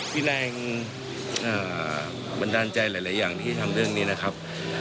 มีแรงบันดาลใจหลายอย่างที่ทำเรื่องนี้นะครับ